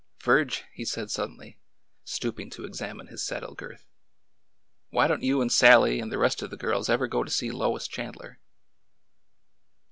Virge/' he said suddenly, stooping to examine his saddle girth, why don't you and Sallie and the rest of the girls ever go to see Lois Chandler